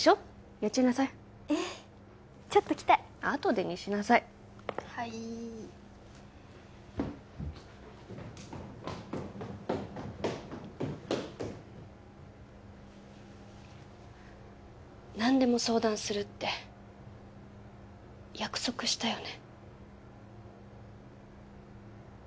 やっちゃいなさいえっちょっと着たいあとでにしなさいはいー何でも相談するって約束したよね？